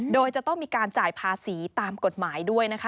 โดยจะต้องมีการจ่ายภาษีตามกฎหมายด้วยนะคะ